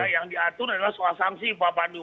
yang diatur adalah soal sanksi pak pandu